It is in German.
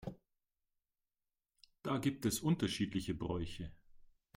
Da gibt es unterschiedliche Bräuche.